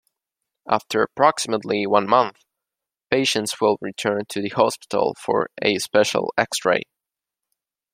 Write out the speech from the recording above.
After approximately one month, patients will return to the hospital for a special x-ray.